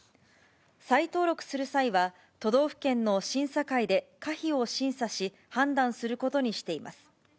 再登録する際は、都道府県の審査会で可否を審査し、判断することにしています。